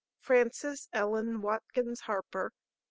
FRANCES ELLEN WATKINS HARPER.